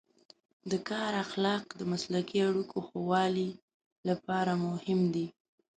د کار اخلاق د مسلکي اړیکو ښه والي لپاره مهم دی.